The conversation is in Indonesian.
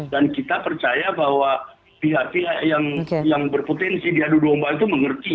dan kita percaya bahwa pihak pihak yang berpotensi diadu domba itu mengerti